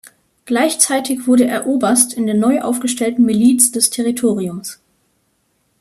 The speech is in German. Gleichzeitig wurde er Oberst in der neu aufgestellten Miliz des Territoriums.